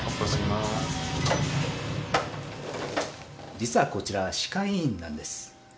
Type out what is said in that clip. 実はこちら、歯科医院なんです。